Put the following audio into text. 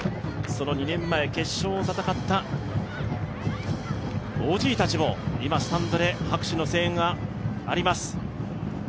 その２年前、決勝を戦ったＯＧたちも今スタンドで拍手の声援があります。